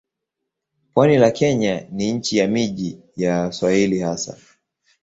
Pwani la Kenya ni nchi ya miji ya Waswahili hasa.